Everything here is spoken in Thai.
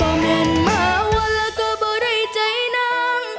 บอกแน่นมาว่าแล้วก็ไม่ได้ใจนั้น